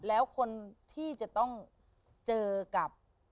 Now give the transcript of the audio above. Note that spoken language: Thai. แล้วคนที่จะต้องเจอกับ